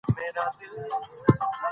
د نوم کارول د زړورتیا ګام و.